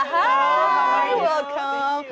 hai selamat datang